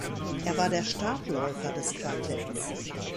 Er war der Startläufer des Quartetts.